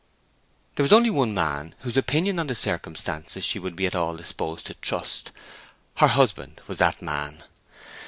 There was only one man whose opinion on the circumstances she would be at all disposed to trust. Her husband was that man.